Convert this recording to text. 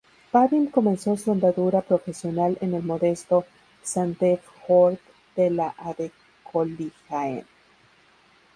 Vadim comenzó su andadura profesional en el modesto Sandefjord de la Adeccoligaen.